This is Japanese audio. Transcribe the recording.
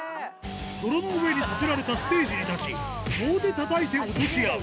泥の上に立てられたステージに立ち、棒でたたいて落とし合う。